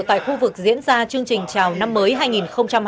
tại khu vực diễn ra chương trình chào năm mới hai nghìn hai mươi